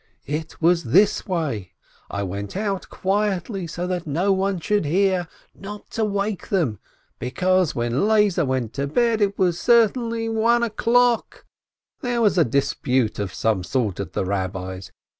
"— "It was this way: I went out quietly, so that no one should hear, not to wake them, because when Lezer went to bed, it was certainly one o'clock. There was a dispute of some sort at the Rabbi's.